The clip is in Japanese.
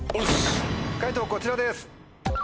解答こちらです。